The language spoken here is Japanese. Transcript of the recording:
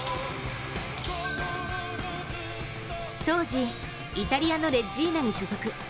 当時、イタリアのレッジーナに所属。